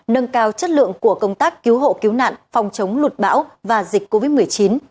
nâng cao chất lượng của công tác cứu hộ cứu nạn phòng chống lụt bão và dịch covid một mươi chín